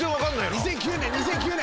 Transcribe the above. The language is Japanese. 「２００９年２００９年！」